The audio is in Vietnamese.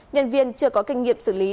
nhân viên chưa có kinh nghiệm xử lý